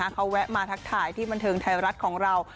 เขาแวะมาทักทายที่บันเทิงไทยรัฐของเรา